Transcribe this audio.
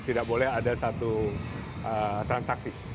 tidak boleh ada satu transaksi